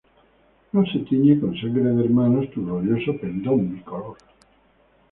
No se tiñe con sangre de hermanos tu glorioso pendón bicolor.